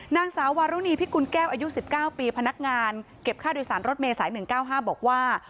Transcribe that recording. นางสาววารุณีพิกุลแก้วอายุ๑๙ปีพนักงานเก็บค่าโดยสารรถเมษาย๑๙๕บอกว่า